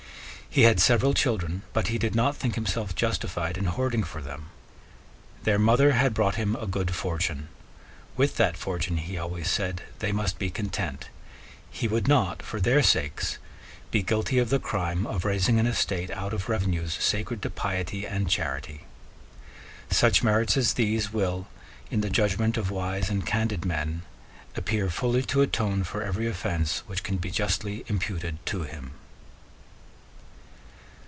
He had several children but he did not think himself justified in hoarding for them. Their mother had brought him a good fortune. With that fortune, he always said, they must be content: He would not, for their sakes, be guilty of the crime of raising an estate out of revenues sacred to piety and charity. Such merits as these will, in the judgment of wise and candid men, appear fully to atone for every offence which can be justly imputed to him.